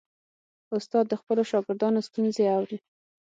استاد د خپلو شاګردانو ستونزې اوري.